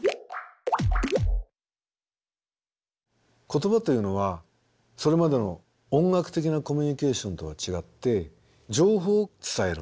言葉というのはそれまでの音楽的なコミュニケーションとは違って情報を伝えるんですね。